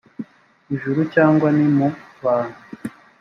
ijuru cyangwa ni mu bantu